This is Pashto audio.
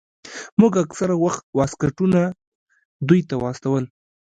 موږ اکثره وخت واسکټونه دوى ته استول.